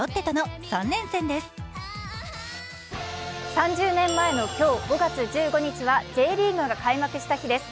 ３０年前の今日、５月１５日はＪリーグが開幕した日です。